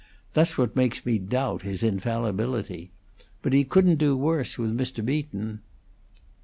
"That's what makes me doubt his infallibility. But he couldn't do worse with Mr. Beaton."